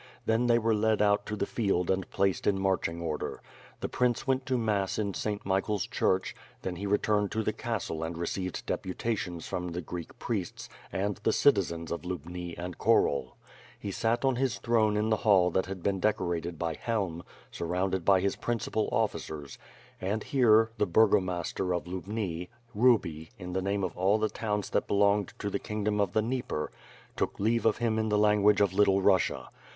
Then they were led out into the field and placed in marching order. The prince went to mass in St. Michael's Church; then he returned to the castle and received deputations from the Greek priests, and the citizens of Lubni and Khorol. He sat on his throne WITH FIRE AND SWORD. ^03 in the hall that had been decorated by Helm, surrounded by his principal officers; and here, the burgomaster of Lubni, Hruby, in the name of all the towns that belonged to the kingdom of the Dnieper took leave of him in the language of Little Bussia.